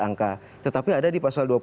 angka tetapi ada di pasal dua puluh